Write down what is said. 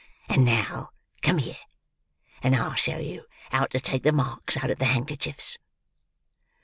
And now come here, and I'll show you how to take the marks out of the handkerchiefs."